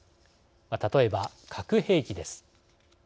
例えば、核兵器です。